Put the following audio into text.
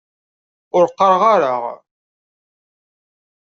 Ur qqareɣ ara.